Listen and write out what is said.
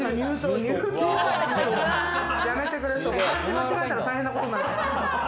漢字間違えたら大変なことになる。